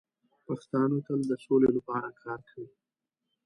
پښتانه تل د سولې لپاره کار کوي.